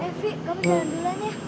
evi kamu jalan dulanya